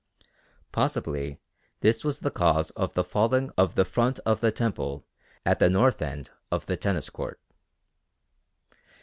Possibly this was the cause of the falling of the front of the temple at the north end of the Tennis Court.